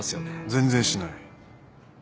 全然しない。